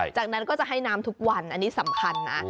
จากนั้นก็จะให้น้ำทุกวันอันนี้สำคัญนะ